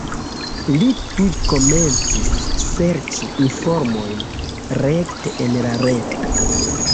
Li tuj komencis serĉi informojn rekte en la reto.